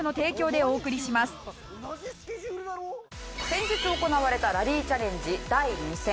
先日行われたラリーチャレンジ第２戦